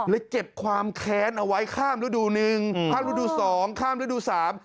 เก็บความแค้นเอาไว้ข้ามฤดูหนึ่งข้ามฤดูสองข้ามฤดูสาม